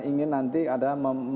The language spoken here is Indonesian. ingin nanti ada